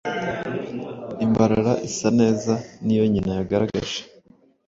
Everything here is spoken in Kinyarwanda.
i Mbarara isa neza n’iyo nyina yagaragaje.